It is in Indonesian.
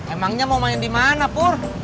emangnya mau main dimana pur